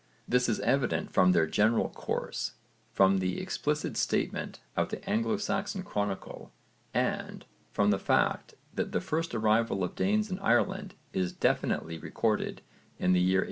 This is evident from their general course, from the explicit statement of the Anglo Saxon chronicle, and from the fact that the first arrival of Danes in Ireland is definitely recorded in the year 849.